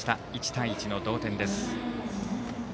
１対１の同点です。